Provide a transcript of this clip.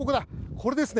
これですね。